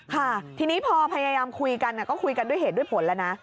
ค่ะทีนี้พอพยายามคุยกันก็คุยกันด้วยเหตุด้วยผลแล้วนะ